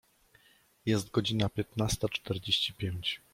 Jest godzina piętnasta czterdzieści pięć.